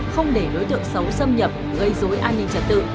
không để đối tượng xấu xâm nhập gây dối an ninh trật tự